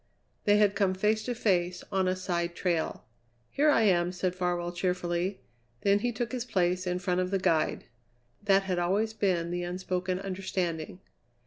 They had come face to face on a side trail. "Here I am!" said Farwell cheerfully; then he took his place in front of the guide. That had always been the unspoken understanding.